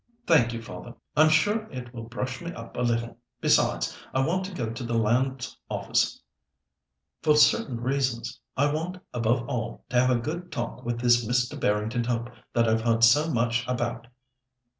"Thank you, father. I'm sure it will brush me up a little; besides, I want to go to the Lands Office for certain reasons. I want, above all, to have a good talk with this Mr. Barrington Hope that I've heard so much about."